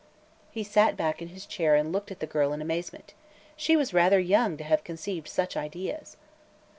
He sat back in his chair and looked at the girl in amazement. She was rather young to have conceived such ideas.